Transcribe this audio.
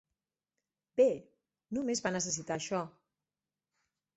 Bé, només va necessitar això.